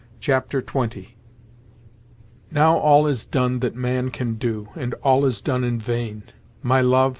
Chapter XX "Now all is done that man can do, And all is done in vain! My love!